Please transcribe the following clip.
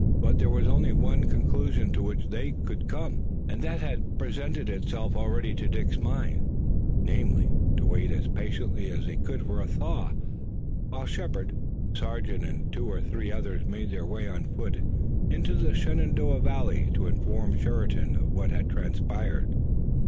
But there was only one conclusion to which they could come, and that had presented itself already to Dick's mind, namely, to wait as patiently as they could for a thaw, while Shepard, the sergeant and two or three others made their way on foot into the Shenandoah valley to inform Sheridan of what had transpired.